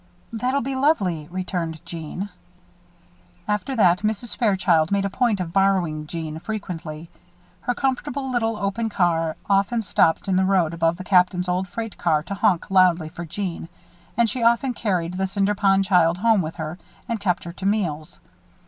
"That'll be lovely," returned Jeanne. After that, Mrs. Fairchild made a point of borrowing Jeanne frequently. Her comfortable little open car often stopped in the road above the Captain's old freight car to honk loudly for Jeanne, and she often carried the Cinder Pond child home with her, and kept her to meals.